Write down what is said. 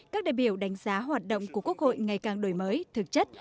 các đại biểu đánh giá hoạt động của quốc hội ngày càng đổi mới thực chất